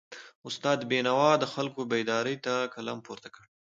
استاد بینوا د خلکو بیداری ته قلم پورته کړ.